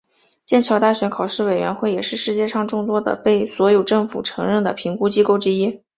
剑桥大学考试委员会也是世界上众多的被所有政府承认的评估机构之一。